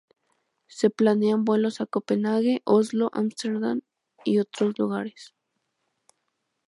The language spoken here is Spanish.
Se planean vuelos a Copenhague, Oslo, Ámsterdam y otros lugares.